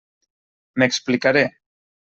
M'explicaré.